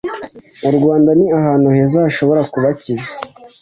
u Rwanda ni ahantu heza hashobora kubakiza